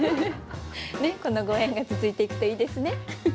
このご縁が続いていくといいですね。